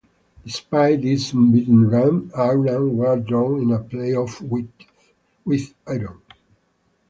Despite this unbeaten run, Ireland were drawn in a play-off with Iran.